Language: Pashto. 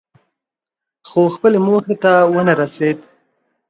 خو خپلې موخې ته ونه رسېد.